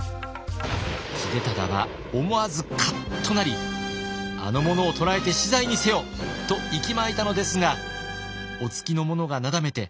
秀忠は思わずカッとなり「あの者を捕らえて死罪にせよ！」といきまいたのですがお付きの者がなだめて